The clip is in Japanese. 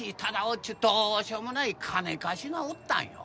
っちゅうどうしようもない金貸しがおったんよ。